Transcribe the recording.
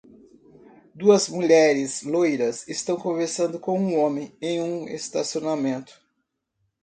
Duas mulheres loiras estão conversando com um homem em um estacionamento.